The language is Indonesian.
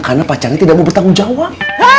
karena pacarnya tidak mau bertanggung jawab